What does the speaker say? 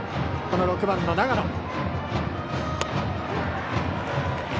この６番の永野。